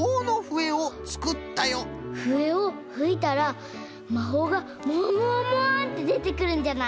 笛をふいたら魔法がモワモワモワってでてくるんじゃない？